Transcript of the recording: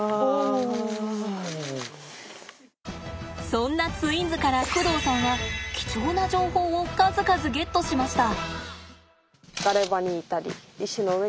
そんなツインズから工藤さんは貴重な情報を数々ゲットしました。